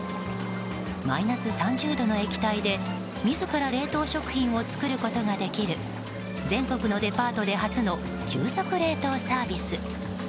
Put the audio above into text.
マイナス３０度の液体で自ら冷凍食品を作ることができる全国のデパートで初の急速冷凍サービス。